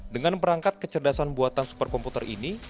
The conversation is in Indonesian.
dengan perangkat kecerdasan buatan superkomputer ini